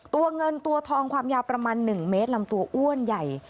ตัวเงินตัวทองความยาวประมาณ๑เมตรลำตัวอ้วนใหญ่